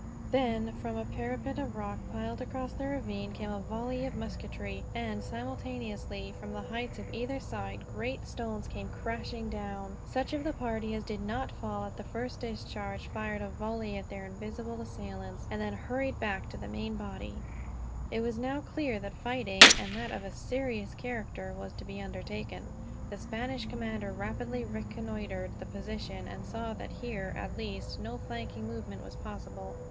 Then, from a parapet of rock piled across the ravine came a volley of musketry; and, simultaneously, from the heights of either side great stones came crashing down. Such of the party as did not fall at the first discharge fired a volley at their invisible assailants, and then hurried back to the main body. It was now clear that fighting, and that of a serious character, was to be undertaken. The Spanish commander rapidly reconnoitered the position; and saw that here, at least, no flanking movement was possible.